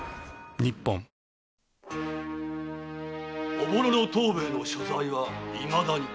おぼろの藤兵衛の所在は未だに？